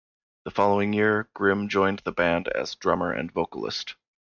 The following year, Grimm joined the band as drummer and vocalist.